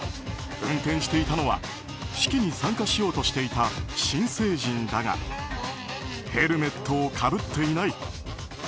運転していたのは式に参加しようとしていた新成人だがヘルメットをかぶっていない。